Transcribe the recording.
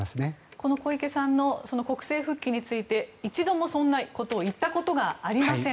この小池さんの国政復帰について一度もそういったことを言ったことはありません。